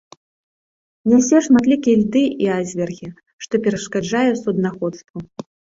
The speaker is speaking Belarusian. Нясе шматлікія льды і айсбергі, што перашкаджае суднаходству.